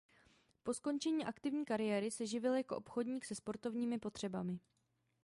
Po skončení aktivní kariéry se živil jako obchodník se sportovními potřebami.